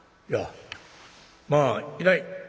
いやまあいない」。